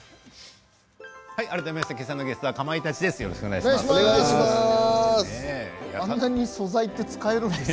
改めまして今朝のゲストはかまいたちです。